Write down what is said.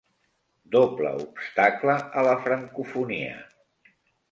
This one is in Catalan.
Doble obstacle a la francofonia.